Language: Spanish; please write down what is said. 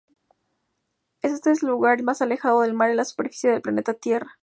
Éste es el lugar más alejado del mar en la superficie del planeta Tierra.